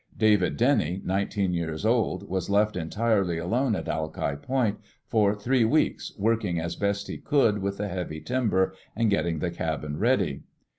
David Denny, nineteen years old, was left entirely alone at Alki Point for three weeks, working as best he could with the heavy timber and getting the cabin ready.